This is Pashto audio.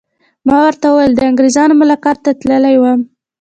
ما ورته وویل: د انګریزانو ملاقات ته تللی وم.